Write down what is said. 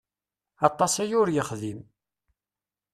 Aṭas aya ur yexdim.